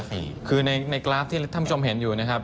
ซึ่งถ้าโดยเปรียบเทียบกันกับ